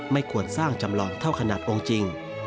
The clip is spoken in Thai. ไม่ควรสร้างจำลองเท่าขนาดองค์จริง